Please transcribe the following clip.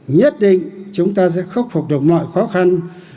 nhất định chúng ta sẽ khắc phục được mọi khó khăn